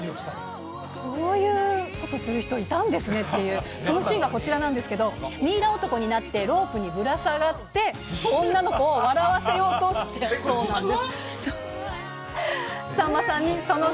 こういうことする人いたんですねっていう、そのシーンがこちらなんですけど、ミイラ男になってロープにぶら下がって、女の子を笑わせようとしたそうなんです。